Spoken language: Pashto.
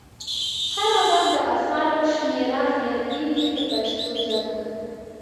هره ورځ د اثارو شمېره زیاتیږي په پښتو ژبه.